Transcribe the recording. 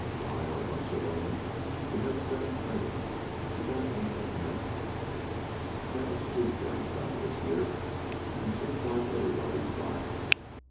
Why, our bunch alone will make seven trains, and that ain't a commencement. Cattle's cheap down South, this year, and seems like everybody's buying.